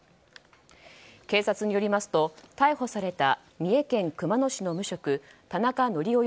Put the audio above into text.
警察によりますと逮捕された三重県熊野市の無職田中教男